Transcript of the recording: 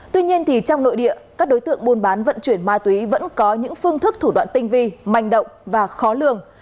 tuy nhiên trong nội địa các đối tượng buôn bán vận chuyển ma túy vẫn có những phương thức thủ đoạn tinh vi manh động và khó lường